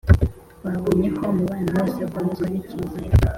twabonye ko umubano wose ukomezwa n’icyizere.